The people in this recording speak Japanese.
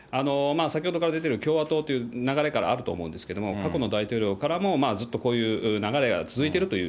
先ほどから出ている、共和党という流れからあると思うんですけども、過去の大統領からもずっと流